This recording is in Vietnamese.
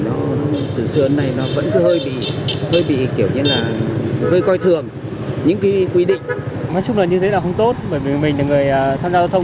nói chung là như thế là không tốt bởi vì mình là người tham gia giao thông